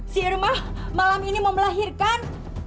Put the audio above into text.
si irma malam ini mau melahirkan